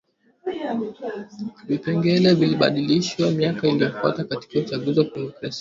Vipengele vilibadilishwa miaka iliyofuata katika uchaguzi wa kidemokrasia wa vyama vingi